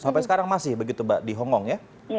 sampai sekarang masih begitu mbak di hongkong ya